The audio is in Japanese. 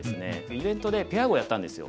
イベントでペア碁やったんですよ。